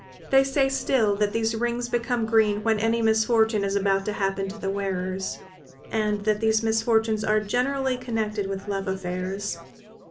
They say still that these rings become green when any misfortune is about to happen to the wearers, and that these misfortunes are generally connected with love affairs.